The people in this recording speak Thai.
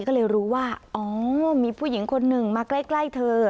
ก็เลยรู้ว่าอ๋อมีผู้หญิงคนหนึ่งมาใกล้เธอ